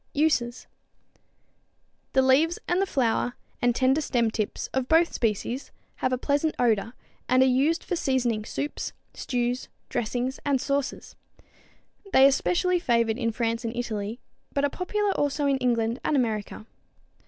Uses. The leaves and the flower and tender stem tips of both species have a pleasant odor, and are used for seasoning soups, stews, dressings and sauces. They are specially favored in France and Italy, but are popular also in England and America.